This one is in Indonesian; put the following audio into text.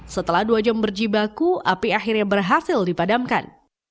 setelah dua jam berjibaku api akhirnya berhasil dipadamkan